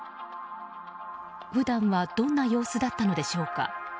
普段はどんな様子だったのでしょうか。